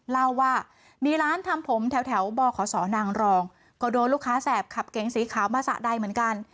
เล่าว่ามีร้านทำผมแถวบขสนางรองก็โดนลูกค้าแสบขับเก๋งสีขาวมาสระใดเหมือนกัน